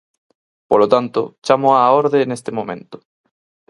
Polo tanto, chámoa á orde neste momento.